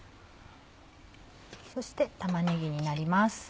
そして玉ねぎになります。